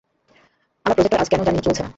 আমার প্রজেক্টার, আজ কেন জানি চলেছে না।